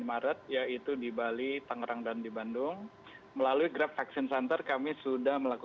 maret yaitu di bali tangerang dan di bandung melalui grab vaksin center kami sudah melakukan